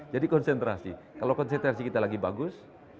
jadi konsentrasi kalau konsentrasi kita lagi bagus